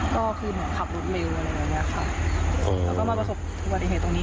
ก็คือเหมือนขับรถเร็วอะไรอย่างเงี้ยค่ะแล้วก็มาประสบอุบัติเหตุตรงนี้